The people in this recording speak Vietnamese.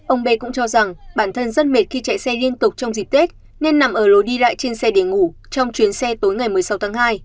ông b cũng cho rằng bản thân rất mệt khi chạy xe liên tục trong dịp tết nên nằm ở lối đi lại trên xe để ngủ trong chuyến xe tối ngày một mươi sáu tháng hai